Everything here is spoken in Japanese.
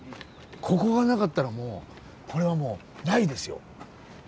ここがなかったらもうこれはもうないですよ。